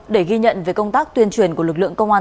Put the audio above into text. để ghi nhận về công tác tuyên truyền của lực lượng công an